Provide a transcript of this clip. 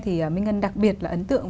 thì minh ngân đặc biệt là ấn tượng